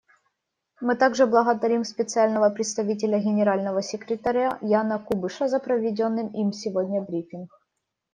Мы также благодарим Специального представителя Генерального секретаря Яна Кубиша за проведенный им сегодня брифинг.